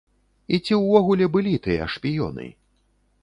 І ці ўвогуле былі тыя шпіёны?